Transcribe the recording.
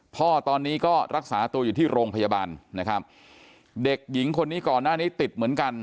พ่อตอนนี้ก็รักษาตัวอยู่ที่โรงพยาบาลนะครับเด็กหญิงคนนี้ก่อนหน้านี้ติดเหมือนกัน